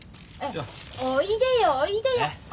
おいでよおいでよ。